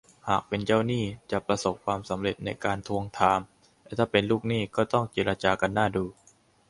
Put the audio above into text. หากเป็นเจ้าหนี้จะประสบความสำเร็จในการทวงถาม แต่ถ้าเป็นลูกหนี้ก็ต้องเจรจากันน่าดู